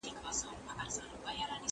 که تدریس روښانه وي، شک نه پاته کېږي.